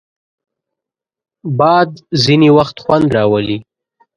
باد ځینې وخت خوند راولي